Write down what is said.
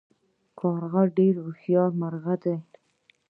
کارغه ډیر هوښیار مرغه دی